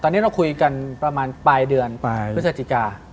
ตอนนี้เราคุยกันปลายเดือนวิจัยติกา